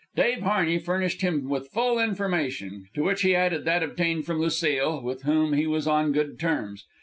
Dave Harney furnished him with full information, to which he added that obtained from Lucile, with whom he was on good terms.